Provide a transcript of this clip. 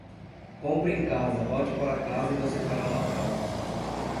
Compre em casa, volte para casa e você fará uma casa.